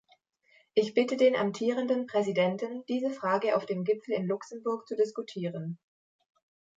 Ich bitte den amtierenden Präsidenten, diese Frage auf dem Gipfel in Luxemburg zu diskutieren.